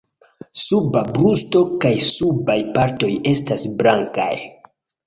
Suba brusto kaj subaj partoj estas blankaj.